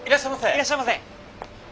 いらっしゃいませ！